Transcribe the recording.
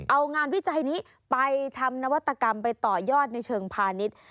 เอางานวิจัยนี้ไปทำนวัตกรรมไปต่อยอดในเชิงพาณิชย์